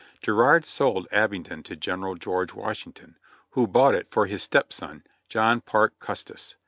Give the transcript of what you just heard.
Girard sold Abingdon to General George Washington, who bought it for his step son, John Parke Custis.